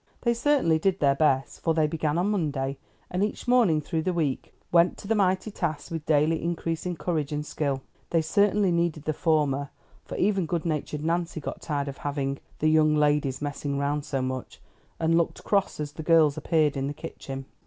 They certainly did their best, for they began on Monday, and each morning through the week went to the mighty task with daily increasing courage and skill. They certainly needed the former, for even good natured Nancy got tired of having "the young ladies messing round so much," and looked cross as the girls appeared in the kitchen.